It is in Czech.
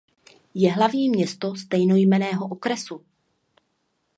Je hlavní město stejnojmenného okresu.